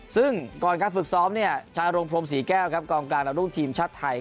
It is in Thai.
ซึ่งก่อนการฝึกซ้อมชาติโรงพรมศรีแก้วกลางกลางแล้วลุงทีมชาติไทย